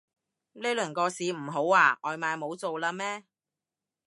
呢輪個市唔好啊？外賣冇做喇咩